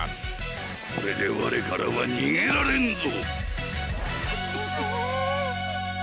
これでわれからはにげられんぞ！